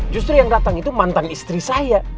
justru yang datang itu mantan istri saya